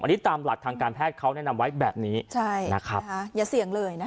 อันนี้ตามหลักทางการแพทย์เขาแนะนำไว้แบบนี้ใช่นะครับอย่าเสี่ยงเลยนะคะ